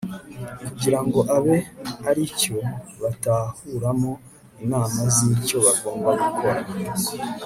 kugira ngo abe ari cyo batahuramo inama z'icyo bagomba gukora